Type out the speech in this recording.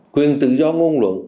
quyền tự do nguồn luận